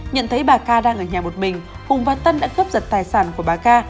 nhận thấy bà ca đang ở nhà một mình hùng và tân đã cướp giật tài sản của bà ca